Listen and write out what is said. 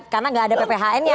karena gak ada gbhn nya